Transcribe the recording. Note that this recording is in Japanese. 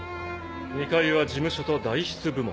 ２階は事務所と代筆部門。